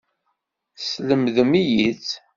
Teslemdem-iyi-tt.